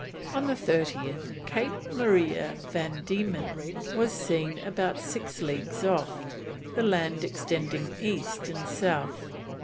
On the 30th, Cape Maria van Diemen was seen about six leagues off, the land extending east and south.